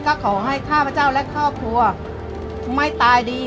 ก็ขอให้ข้าพเจ้าและครอบครัวไม่ตายดี